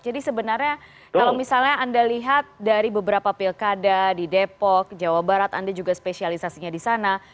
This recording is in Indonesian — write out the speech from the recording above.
jadi sebenarnya kalau misalnya anda lihat dari beberapa pilkada di depok jawa barat anda juga spesialisasinya di sana